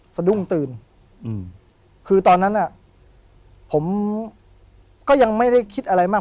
สะดุ้งตื่นคือตอนนั้นน่ะผมก็ยังไม่ได้คิดอะไรมาก